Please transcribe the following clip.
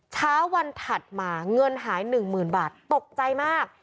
เช้าวันถัดมาเงินหาย๑๐๐๐บาทตกใจมาก